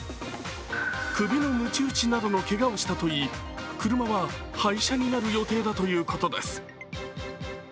首のむち打ちなどのけがをしたといい車は廃車になる予定だということです。